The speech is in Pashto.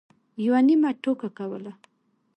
یوه نیمه ټوکه کوله.